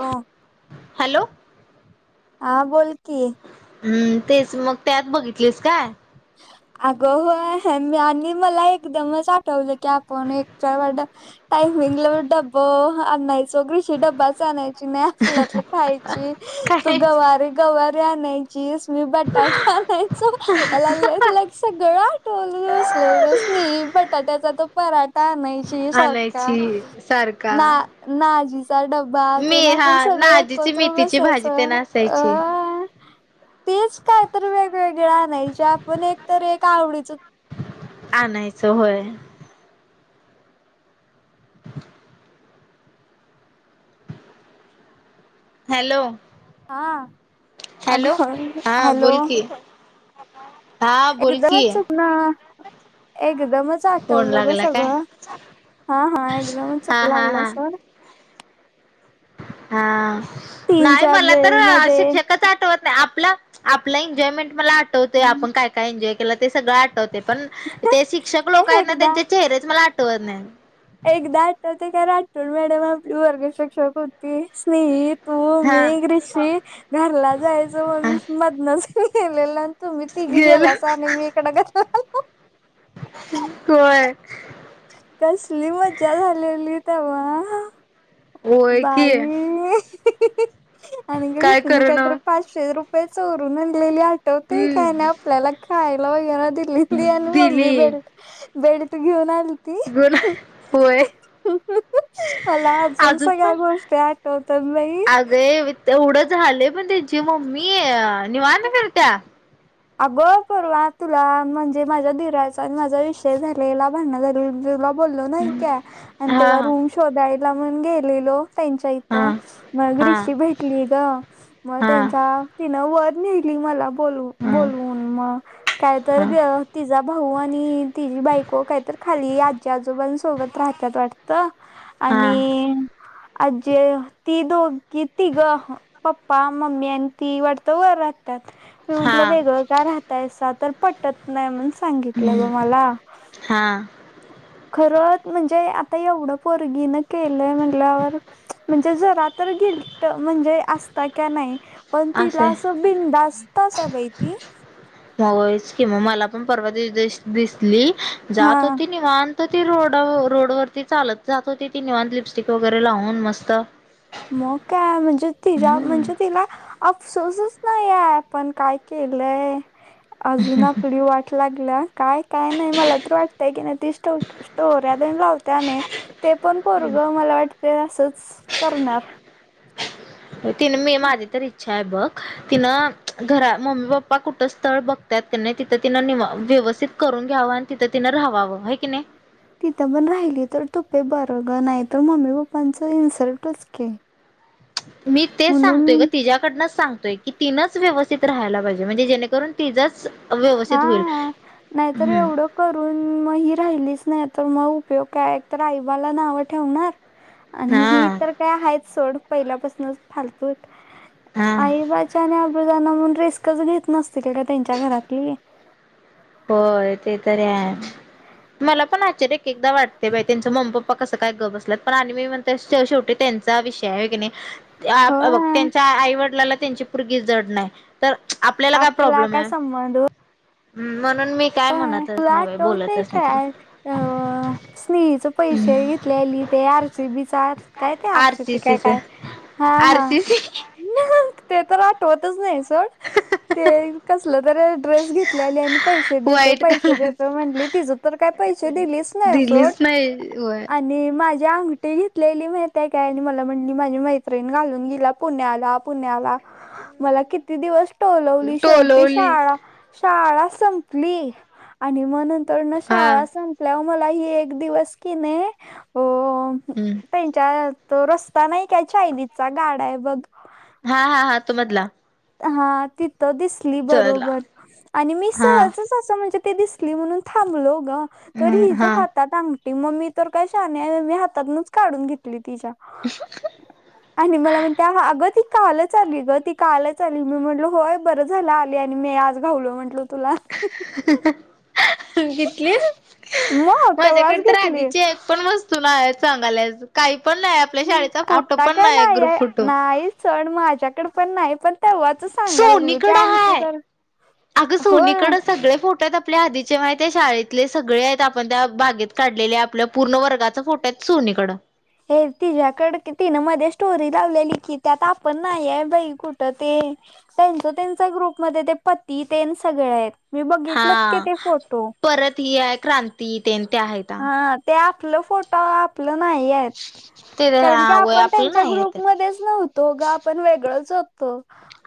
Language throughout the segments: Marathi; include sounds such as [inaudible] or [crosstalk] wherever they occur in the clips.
हो, हॅलो. हा बोलकी. हम्म तेच मग त्यात बघितलीस काय. ह [inaudible] अगोही आणि मला एकदमच आठवलं की आपण एक च वा टायमिंगला डब्बा आणायचो कृषशी ड्बाच आणायचा. नाही आपल्यात खायची तू काय गवारीे गवारीे आणायचीस. तुम्ही बटाट आणायचं. मला लाक सगळं आठवलं बसलेलंच नाही बटाट्याचा तो पराठा नाही. ची सारख्या आणायची सारखा ना नाझी चा डब्बा. बाळ ते मी ना हा पण सगळे नाजीची एकोत्र मेथीची भाजी तेन बसायचं असायची अ. तेच काय तर वेगवेगळ आणायची आपण एकत एक आवडीच. आणायचं होय. [inaudible] हॅलो हा अग हॅलो हा हॅलो बोल की. हा बोल की एकदमच चुक ना एकदमच फोन आठवलं ग लागला काय सगळं. हा हा एकदम चुक हा हा लागलं हा सोड. हा नाही तीनच्या मला तर बेल मध्ये शिक्षकच आठवत नाही आपलं. आपलं एन्जॉयमेंट मला आठवतोय आपण काय काय एन्जॉय केलं ते सगळं आठवते पण ते शिक्षक ए लोक आहेत ना एकदा त्यांचे चेहरेच मला आठवत नाहीत. एकदा आटतते राठोड मॅडम आपले वर्ग शिक्षक होती. ती स्नेही तू मी हा ग्रिष घरला जायचं म्हणून मधनच. गेलेला तुम्ही तिगी गेल गेलासा आणि मी इकड ग. होय. कसली मज्जा झालेली थेवा ह. होय की बाई, आणि ग्रिशूनं काय तर पाचशे रुप पय चोरून आणलेली आठवतंय हम्म काय? अन् आपल्याला खायला वगैरे दि ली आणि मम्मी दिली बेल्ट बेल्ट घेऊन आल [unintelligible] होय. तुम अजून सगळ्या पण गोष्टी आठवत्यात बाई. अगे तेवढं झालंय पण त्यांची मम्मी निवांत फिरत्या. अगो परवा तुला म्हणजे माझ्या दिराचा आणि माझा विषय झालेला, भांडण झाली तुला बोलो नाही का, आणि तेव्हा हा रूम शोधायला म्हण गेलेलो त्यांच्या इ हा त मग हा ग्रिशी भेटली गं, मग हा त्यांच्या तिनं वर नेली मला बोल हा बोलवून, मग काय तर हा ग तिजा भाऊ आणि तिझी बायको काय तरी खाली आजी आजोबां सोबत राहत्यात वाटतं. हा आणि आजी अ ती दोघी तिघं पप्पा मम्मी आणि ती वाटतं वर राहत्यात. हा म्हंटलं वेगळं का राहतायसा? तर पटत नाही म्हण सांगितलं हम्म गं मला. हा खरं म्हणजे आता एवढं पोरगीनं केलंय म्हटल्यावर म्हणजे जरा तर गिल्ट अ म्हणजे अस ताय का नाही, पण तिला असे असं बिन्धास्त असत्या बाई ती. होयच की, म मला पण परवा दी दिवशी दिसली जात हा होती निवांत. तर ती रोड अ रोडवरती चालत जात होती ती निवांत, लिपस्टिक वगैरे लावून मस्त. मग काय, म्हणजे तिज्या हम्म म्हणजे तिला अफसोसच नाही यार आपण काय केलंय. अजून आपली वाट लागल्या. काय काय नाही मला तर वाटतंय की नाही ती स्टो स्टोऱ्या तेंन लावत्या ना ते पण पोरगं मला वाटतंय असंच करणार. तिनं मी माझी तर इच्छा आहे बघ. तिनं घरा मम्मी पप्पा कुठं स्थळ बघत्यात की नाय तिथं तिनं नि व्यवस्थित करून घ्यावं आणि तिथं तिनं राहावावं, होय की नई? तिथं पण राहिली तर तोपे बरं ग, नाही तर मम्मी पप्पांचं इन्सल्टच की. मी तेच सांगतोय गं, म्हणून तिच्याकडनंच सांगतोय कि तिनंच व्यवस्थित राहायला पाहिजे, म्हणजे जेणेकरून तिजच हा, नाहीतर एवढं करून मग ही राहिलीच नाही तर मग उपयोग काय, एक तर काय आईबाला नावं ठेवणार. आणि ही हा तर काय आहे सोड पहिल्यापासूनच फालतुक, हा आई बा ची आणि आब्रू जाणार म्हणून् रिस्कच घेत नसतील ग त्यांच्या घरातली. होय ते तरी आहे, मला पण आचर्य एक एकदा वाटते बाय, त्यांचे मम्मी पप्प पा कसं काय ग बसल्यात, पण आणि मी म्हणते शेवटी त्यांचा विषय हाय, हाय की नाय? ते आ हे बघ, होय त्यांच्या आईवडिलाला त्यांची पुरगी जड नाय. तर आपल्याला काय आपला प्रॉब्लेम काय आहे? संबंध हम्म, म्हणून मी काय होय म्हणतच तुला नाही बाई आठवतय बोलतच नाही तिला. काय अ स्नेहीचं पैसे घेतलेली ते आर सी बी चं काय ते आर सी बी का काय. हा आर हा सी सी. ते तर आठवतच नाही सोड, ते कसलं तरी ड्रेस घेतलेले आणि पैसे देतो व्हाईट पैसे कलर देतो म्हणली, तिजं तर काय पैसे दिलीच नाही सोड, दिलीच नाही व्हय आ णि माझी अंगठी घेतलेली माहितीय काय आणि मला म्हणली माझी मैत्रिणी घालून गील्या. पुण्याला, पुण्याला मला कि- ती दिवस टोलवली शेवटी टोलवली शाळा, शाळा संपली आणि म्हणून - तर ना हा शाळा संपल्यावर मला हि एक दिवस कि नाही. अ- हम्म त्यांच्या तो रस्ता नाही काय? चायनीजचा गाडा आहे बघ. हा हा. हा. तो मधला. हा. तिथं दिसली चला बरोबर. आणि मी हा सहज- च म्हणजे अशी दिसली म्हणून थांबलो ग. तर हम्म हिच्या हा हात- -तात अंगठी. मग मी तर काय शानी आहे. मी हातातनच काढून घेतली. तिच्या. आणि मला म्हणते अग ती - कालच आली ग ती कालच आली. मी म्हटल होय बरं झालं आली आणि मी आज घावलो म्हंटल तुला. ह घितली. मग तेव्हाच माझ्याकडे तर घेतली आधीची एक पण वस्त- -स्तू नाय सांगायेलस. काही पण नाही आपल्या शाळेचा फोटो पण नाही ग्रुप फोटो. सोड माझ्याकड पण नाही पण तेव्हाचच- सोनीकड हाय. अगं हो सोनीकडं सगळे फोटो आहेत आप - आपले आधीचे माहित आहे? शाळेतले सगळे आहेत. आपण त्या बागेत काढलेले. आपल्या पूर्ण वर्गाचा फोटो आहेत सोनीकड. होय. तिच्याकड, तिनं मध्ये स्टोरी लावलेली की त्यात आपण नाही आहे बाई कुठं ते? त्यांच त्यांचा ग्रुपमध्ये ते पती तेन सगळे आहेत. मी बघितलंच की हा. ते फोटो परत ही आहे क्रांती तेन ते आहेता. हा ते आपलं फोटो आपलं नाही आहेत. ते कारण की वय आपण आपलं त्यांच्या नाही आहे तर ग्रुपमध्येच नव्हतो ग, आपण वेगळच होतो.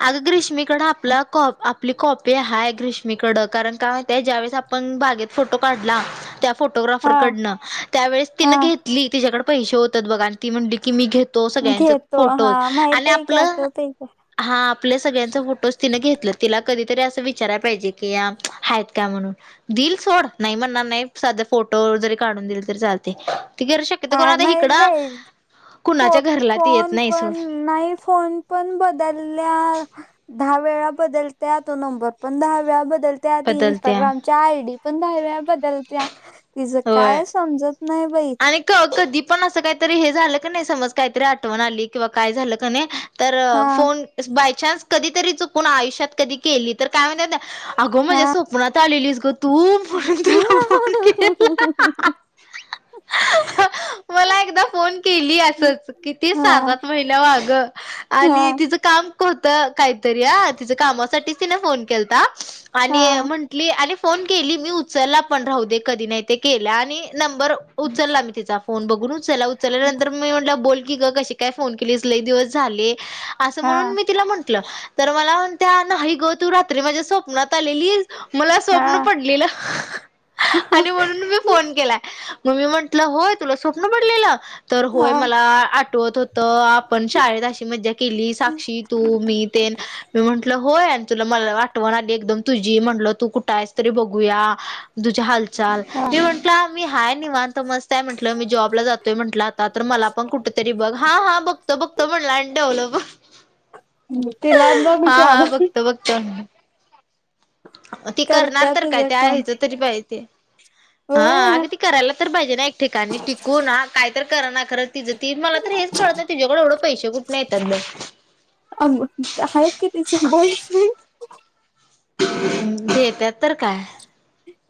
अगं ग्रीष्मीकडे आपला कॉप आप - -पली कॉपी हाय ग्रीषमीकड. कारण काय माहतीये ज्यावेेळेस आपण बागेत फोटो काढला, त्या- फोटोग्राफर हा कडन. त्या वळेस तिन हा घेतली. तिच्याकडे पैसे होतात बघ आणि ती म्हटली की मी घेत - तो सगळ्यांच घेतो हा फोटोज माहित आणि आहे आपलं- [unintelligible] हा. आपल्या सगळ्यांच फोटोज तिन घेतलं. तिला कधीतरी असं विचाराया पाहिजे की या आहेत का म्हणून? दिल सोड. नाही म्हणणार नाही. साध्या फोटोवर जरी काढून दिल तरी चालते. ती घर शक्यत कोणा काय आता माहित इकडं, बाई फो कुणाच्या घरला ती येत फोन नाही सोड. पण नाही फोन पण बदलला. दहा वेळा बदलत्या तो नंबर. पण दहा वेळा बदल- त्या ती बदलत्या इंस्टाग्रामच्या आयडी पण दहा वेळा बदलत्या. तिचं होय काय समजत नाही बाई. आणि कधी पण असं काहीतरी हे झालं क नाही समज काहीतरी आठवण आली- किंवा काय झालं का नाही तर हा फोन- बायचान्स कधीतरी चुकून आयुष्यात कधी केली तर काय म्हण [unintelligible] अगो माझ्या हा स्वपनात आलेलीस ग तू म्हणून तुला फोन केला. मला एकदा फोन केली असच. किती सा हा सात महिन्या माग आणि हा तिच- काम होत काहीतरी अं. तिच कामासाठीच तिन फोन केलता आणि हा म्हण - -ली आणि फोन केली मी उचलला पण राहू दे कधी नाही ते केला आणि नंबर- उचलला मी तिचा फोन बघून उचलला. उचलल्यानंतर मी म्हटलं बोल की ग कशी काय फोन केलीस? लई दिवस- अस म्हणून हा मी तिला म्हंटल- तर मला म्हणतेया नाही ग तू रात्री माझ्या स्वप्नात आलेलीस. मला स्वप्न हा पडलेलं. अन - ह म म्ह तव प म हा ठवत होत आपण शाळेत अशी मज्जा केली साक्षी तू मी ते मी म्हंटलं होय आणि तुला मला आठवण आली एकदम तुझी म्हटलं तू कुठं आहेस तरी बघूया तुझ्या हात ल त हा म्हंटलं मी हय नि मानत मस्तय म्हटलं मी जॉबला जातो म्हटलं आता तर मला पण कुठ तरी बघ हा हा बघत बघत म्हणला आणि व्हल तिला [unintelligible] बघ हा- जॉब हा बघतो -बघतो! ती करणार करत्या तर काय तुझं त्या काम हेच तरी पाहिजे! हा होय अग ती करायला तर पाहिजे ना एक ठिकाणी टिकून ह कायतर करा ना खरं तिं तर मला तर हेच कळत नाही तिच्याकड एवढं पैसे कुठ नाही येतात बाई अग आहेत की तिचं बोल की देत्यात तर काय?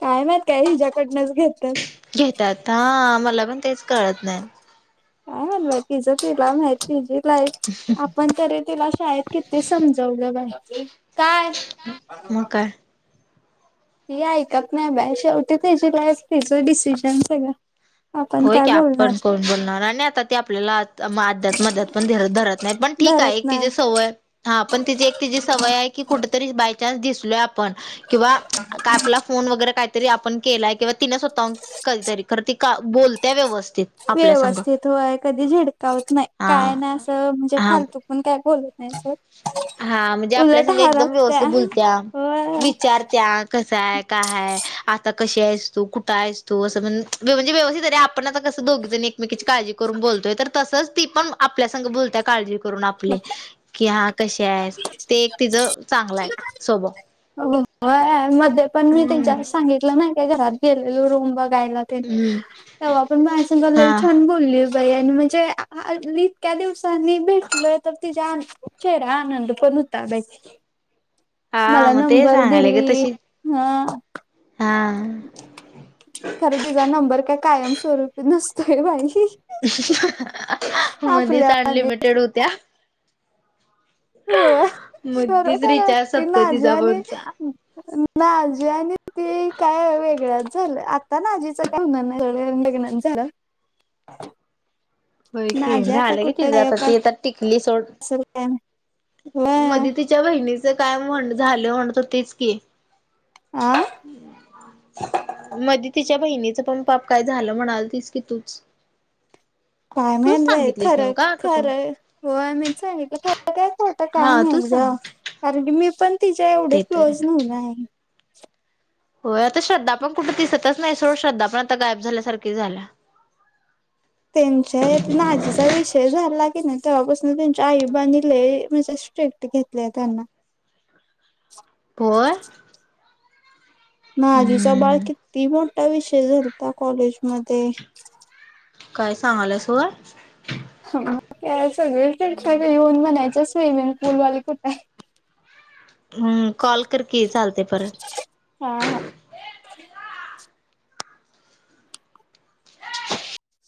काय माहीत काय हिज्याकडनंच घेतो. घेतात हा मला पण तेच कळत नाही. काय माहीत बाई तिच तिला माहित तिझी लाईफ आपण तरी तिला शाळेत किती ते समजवलं पाहिे काय मग काय ती ऐकत नाही बाई शेवटी त्याची लाईफ तिचं डिसिजन सगळ हो की आपण कोण बोलणार आणि आता ते आपल्याला अध्यात मध्यात पण धरत नाही पण ठीक आहे धरत एक नाही सवय हा पण ति एक तिची सवय आहे की कुठतरी बाय चान्स दिसलोय आपण काय पण किंवा आपला फोन वगैरे काय ते तरी आपण केलाय किंवा तिने स्वतः कहीतरी खरं ती बोलत्या व्यवस्थि व्यवस्थित होय कधी झिडकावत नाही काय हा नाही असं म्हणजे हा फालतू पण काय बोलत नाही सर हा म्हणजे आपल्यासंग एकदम व्यवस्थित बोलत्या होय विचार त्या कसय कायय आता कशी असतो कुठं आहेस तू असं म्हण म्हणजे व्यवस्थित जरी आप आपण आता कसं दोघी जण एकमेकीची काळजी करून बोलतोय तर तसंच ती पण आपल्यासग बोलत्या काळजी करून करून आपले की हा कसे आहे ते एक तिचं चांगलं आहे स्वभाव होय मध्ये पण मी त्यांच्या सांगितलं नाही का घरात गेलेलो रूम बघायला! हम्म तेव्हा पण माझ्या संग लई हा छान बोलली. बाई आणि म्हणजे हली इतक्या दिवसांनी भेटलोय तर तिचा चेहरा आठवत नाही. आनंद पण होता हा मला मग ते नंबर सांगायला ग दिली तशी हा हा! खरं तिचा नंबर का कायम स्वरूपी नसतोय बाई [unintelligible] मध्येच आपल्यावाणी अनलिमिटेड होत्या होय मध्येच खरोखर रिचार्ज व्यक्ती संपतोय नाझी तिचा आणि फोनचा ना जे आणि काय वेगळ्याच झालं आता नाझी [unintelligible] वेगच झालं हो नाझिया आता झालं कि कुठं तिचं आता गायब ती तर टिकली सोड असेल काय व्हय मधी तिच्या बहिणीच काय म्हण झालं म्हणत होती तेच की आं! [inaudible] मध्ये तिच्या बहिणीचं पण पाप काय झालं म्हणाल तीस की तूच काय तूच माहीत बाई सांगितलीस नव्ह खरं का - का कोण खरं! होय मी सांगितलं काय खर काय खोट काय हा तू माहीत ग सांग कारण की मी पण तिच्या एवढे ते तर आहे. क्लोज नवू नाही. होय आता श्रद्धा पण कुठे दिसतच नाही सोड श्रद्धा पण आता गायब झाल्यासारखी झाल्या! त्यांचे इथ नाजेचा विषय झाला कि नाही तेव्हापासून त्यांच्या आई बा लई म्हणजे स्ट्रिक्ट ते घेतलेय त्यांना होय! नाझीचा बाळ हम्म किती मोठा विषय झालाता कॉलेजमध्ये काय सांगल्यास होय! त्या वेळी सगळे येऊन म्हणायचे स्विमिंग पूलवाले कुठे आहे. हम्म कॉल करकी चालतंय परत! हा हा.